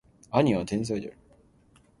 兄は天才である